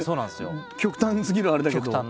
極端すぎるあれだけど。